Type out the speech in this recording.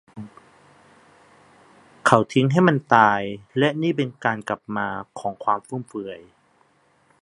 เขาทิ้งให้มันตาย และนี่เป็นการกลับมาของความฟุ่มเฟือย